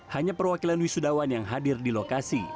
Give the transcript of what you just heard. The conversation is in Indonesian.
hanya perwakilan wisudawan yang hadir di lokasi